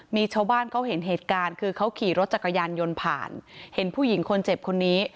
มีชาวบ้านเขาเห็นเหตุการณ์คือเขาขี่รถจักรยานยนต์ผ่านเห็นผู้หญิงคนเจ็บคนนี้